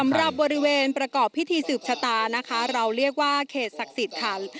สำหรับบริเวณประกอบพิธีสืบชะตาเราเรียกว่าเขตศักดิ์สิทธิ์ทัน